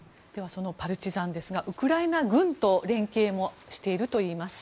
そのパルチザンですがウクライナ軍と連携もしているといいます。